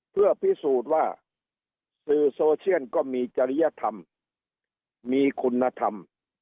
เพื่อพิสูจน์ว่าสื่อโซเชียลก็มีจริยธรรมมีคุณธรรม